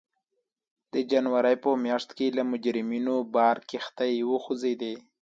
د جنورۍ په میاشت کې له مجرمینو بار کښتۍ وخوځېدې.